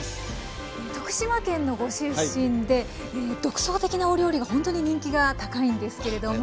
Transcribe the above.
徳島県のご出身で独創的なお料理がほんとに人気が高いんですけれども。